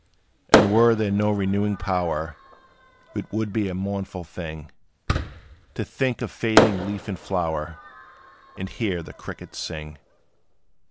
And were there no renewing Power, 'T would be a mournful thing, To think of fading leaf and flower; And hear the crickets sing.